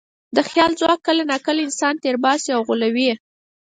د خیال ځواک کله ناکله انسان تېر باسي او غولوي.